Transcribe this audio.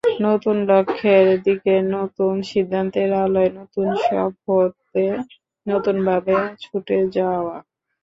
নতুন লক্ষ্যের দিকে, নতুন সিদ্ধান্তের আলোয় নতুন শপথে নতুনভাবে ছুটে যাওয়া।